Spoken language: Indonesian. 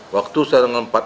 waktu saya menangkapnya